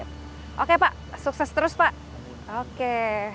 oke pak sukses terus pak oke